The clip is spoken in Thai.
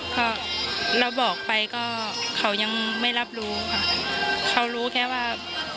ก็เราบอกไปก็เขายังไม่รับรู้ค่ะเขารู้แค่ว่า